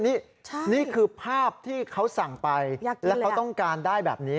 นี่นี่คือภาพที่เขาสั่งไปแล้วเขาต้องการได้แบบนี้